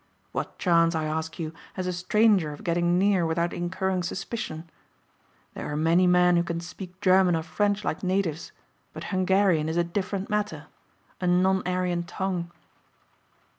What chance, I ask you, has a stranger of getting near without incurring suspicion. There are many men who can speak German or French like natives but Hungarian is a different matter, a non Aryan tongue."